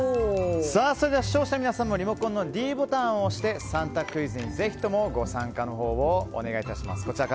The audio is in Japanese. それでは視聴者の皆さんもリモコンのｄボタンを押して３択クイズにぜひともご参加のほうをお願いいたします。